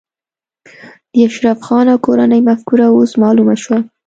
د اشرف خان او کورنۍ مفکوره اوس معلومه شوه